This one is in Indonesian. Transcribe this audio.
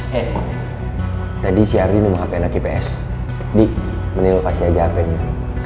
hey tadi si ardino menghafalin nak ips